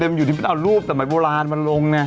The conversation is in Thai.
เดิมอยู่ที่มันเอารูปตังค์โบราณมาลงน่ะ